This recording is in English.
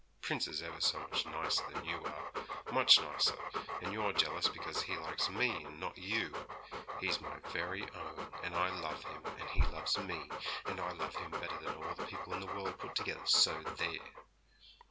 'Prince is ever so much nicer than you are much nicer, and you're jealous because he likes me and not you. He's my very own, and I love him, and he loves me; and I love him better than all the people in the world put together, so there!'